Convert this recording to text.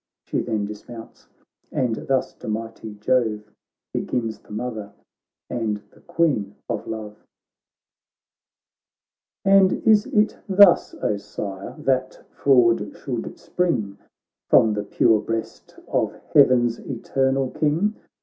She then dismounts, and thus to mighty Jove Begins the Mother and the Queen of Love :' And is it thus, O Sire, that fraud should spring From the pure breast of heaven's eternal King?